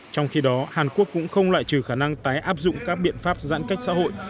trong khi đó hàn quốc cũng không loại trừ khả năng tái áp dụng các biện pháp giãn cách xã hội